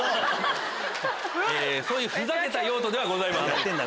ふざけた用途ではございません。